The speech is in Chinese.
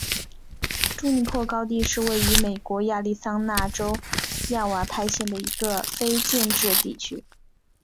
朱尼珀高地是位于美国亚利桑那州亚瓦派县的一个非建制地区。